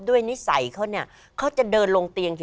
นิสัยเขาเนี่ยเขาจะเดินลงเตียง